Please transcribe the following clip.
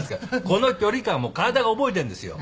この距離感はもう体が覚えてるんですよ。